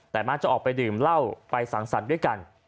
แต่มักจะออกไปดื่มเหล้าไปสั่งสรรค์ด้วยกัน